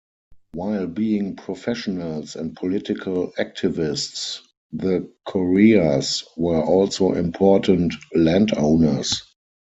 While being professionals and political activists, the Coreas were also important landowners.